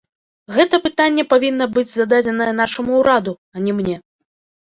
Гэта пытанне павінна быць зададзенае нашаму ўраду, а не мне.